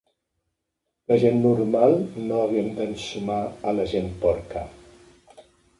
La gent normal no haguem d'ensumar a la gent porca.